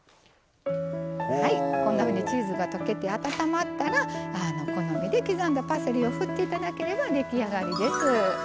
こんなふうにチーズが溶けて温まったら好みで刻んだパセリを振っていただければ出来上がりです。